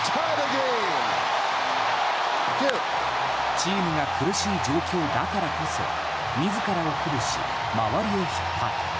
チームが苦しい状況だからこそ自らを鼓舞し、周りを引っ張る。